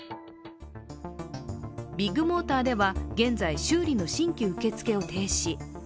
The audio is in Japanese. ビッグモーターでは現在修理の新規受付を停止。